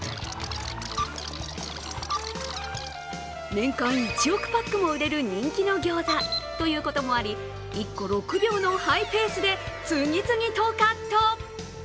年間１億パックも売れる人気のギョーザということもあり、１個６秒のハイペースで次々とカット。